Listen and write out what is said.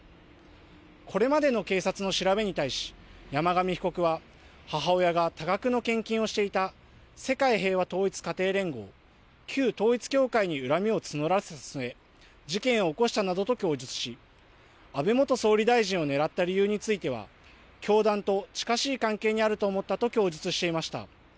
これまでの警察の調べに対し山上被告は母親が多額の献金をしていた世界平和統一家庭連合、旧統一教会に恨みを募らせた末、事件を起こしたなどと供述し安倍元総理大臣を狙った理由については教団と近しい関係にあると思ったと供述していました。